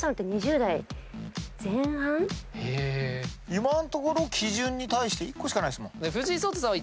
今のところ基準に対して１個しかないですもん。